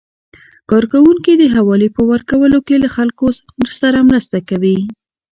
کارکوونکي د حوالې په ورکولو کې له خلکو سره مرسته کوي.